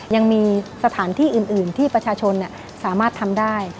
ยังมีสถานที่อื่นที่ประชาชนสามารถทำได้